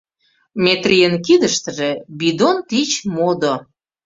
Метрийын кидыштыже бидон тич модо.